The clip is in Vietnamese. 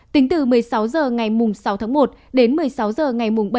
tính từ một mươi sáu h ngày sáu một đến một mươi sáu h ngày bảy một